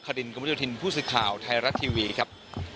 คารินกำลังจะถึงผู้สึกข่าวไทรัติทวีครับ